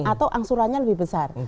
atau angsurannya lebih besar